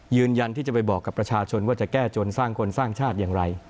ยืนยันที่จะไปบอกกับประชาชนว่าจะแก้จนสร้างคนสร้างชาติอย่างไร